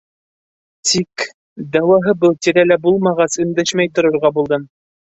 Тик... дауаһы был тирәлә булмағас, өндәшмәй торорға булдым.